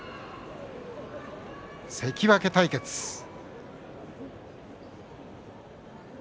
関脇対決です。